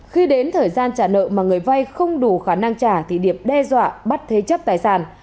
khi đến thời gian trả nợ mà người vay không đủ khả năng trả thì điệp đe dọa bắt thế chấp tài sản